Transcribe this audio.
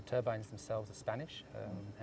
turbina itu sendiri dari spanyol